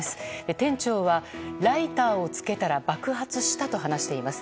店長はライターをつけたら爆発したと話しています。